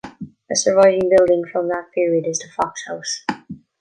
A surviving building from that period is the Fox House.